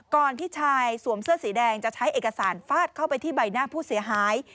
ที่ชายสวมเสื้อสีแดงจะใช้เอกสารฟาดเข้าไปที่ใบหน้าผู้เสียหาย